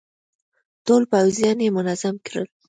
ټول پوځيان يې منظم کړل.